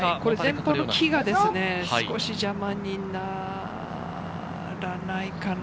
前方の木が少し邪魔にならないかな？